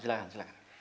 selamat malam silahkan